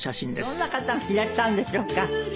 どんな方がいらっしゃるんでしょうか？